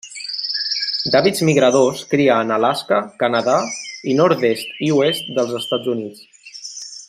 D'hàbits migradors cria en Alaska, Canadà i nord-est i oest dels Estats Units.